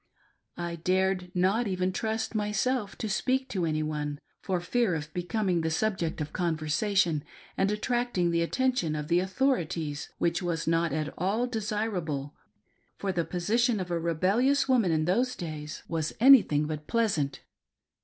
I dared not even trust myself to speak to any one, for fear of becoming the subject of conversation and attracting the attention of the authorities, which was not at all desirable, for the position of a " rebellious woman " in those days was 424 ALONE ! anything but pleasant.